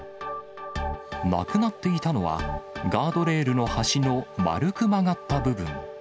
なくなっていたのは、ガードレールの端の丸く曲がった部分。